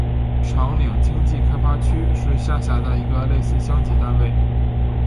长岭经济开发区是下辖的一个类似乡级单位。